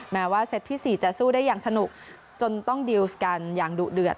แม้ว่าเซตที่๔จะสู้ได้อย่างสนุกจนต้องดิวส์กันอย่างดุเดือด